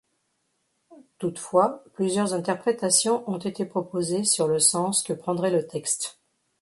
Toutefois, plusieurs interprétations ont été proposées sur le sens que prendrait le texte.